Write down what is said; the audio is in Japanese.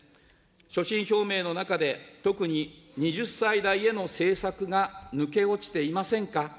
所信表明の中で特に２０歳代への政策が抜け落ちていませんか。